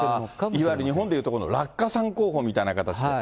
いわゆる日本でいうところの落下傘候補みたいな形で。